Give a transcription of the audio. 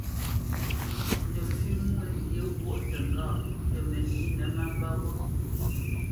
Nəfʉ́ Mwôzyě ghwôʼ təŋgáʼ tə mənǐnə má mbə́ ghó.